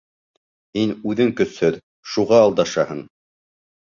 Һин үҙең көсһөҙ, шуға алдашаһың.